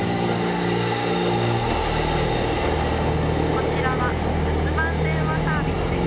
「こちらは留守番電話サービスです」